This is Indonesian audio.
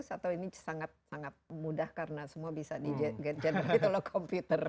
atau ini sangat sangat mudah karena semua bisa di generate oleh komputer